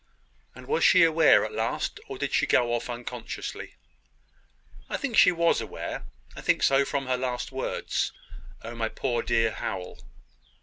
"And was she aware at last? or did she go off unconsciously?" "I think she was aware; I think so from her last words `Oh, my poor dear Howell!'